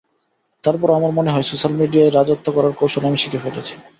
তারপরও আমার মনে হয়, সোশ্যাল মিডিয়ায় রাজত্ব করার কৌশল আমি শিখে ফেলেছি।